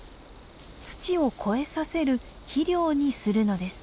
土を肥えさせる肥料にするのです。